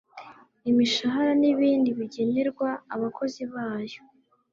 imishahara n'ibindi bigenerwa abakozi bayo